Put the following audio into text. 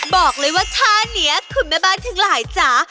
บอกเลยว่าท่านี้คุณแม่บ้านทั้งหลายจ๋า